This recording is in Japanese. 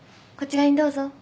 こちらにどうぞ。